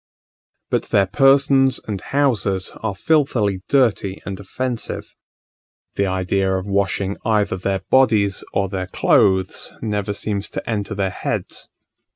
But their persons and houses are filthily dirty and offensive: the idea of washing either their bodies or their clothes never seems to enter their heads.